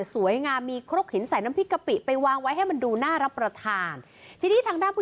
สวยงามมีครกหินใส่น้ำพริกกะปิไปวางไว้ให้มันดูน่ารับประทานทีนี้ทางด้านผู้